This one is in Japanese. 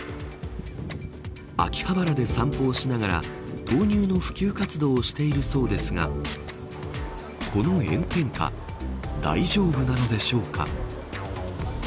秋葉原で散歩をしながら豆乳の普及活動をしているそうですがこの炎天下大丈夫なのでしょうか。